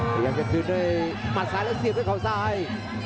พยายามจะคืนด้วยหมัดซ้ายแล้วเสียบด้วยเขาซ้าย